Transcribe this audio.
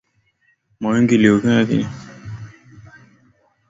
Mawingu iliyokuwa inamilikiwa na Joseph Kusaga na watayarishaji wake walikuwa ni Bon Love